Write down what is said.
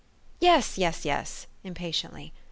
"" Yes, yes, yes !" impatiently.